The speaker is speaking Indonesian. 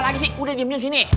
lagi sih udah dibilang sini